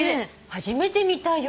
初めてみたよ。